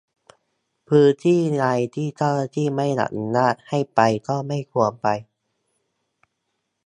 พื้นที่ใดที่เจ้าหน้าที่ไม่อนุญาตให้ไปก็ไม่ควรไป